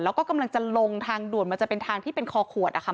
แล้วก็กำลังจะลงทางด่วนมันจะเป็นทางที่เป็นคอขวดอะค่ะ